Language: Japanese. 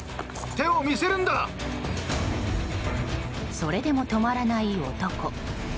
それでも止まらない男。